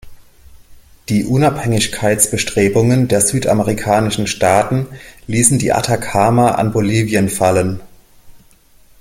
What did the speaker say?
Die Unabhängigkeitsbestrebungen der südamerikanischen Staaten ließen die Atacama an Bolivien fallen.